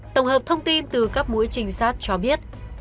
tổng hợp thông tin từ các mũi trinh sát cho biết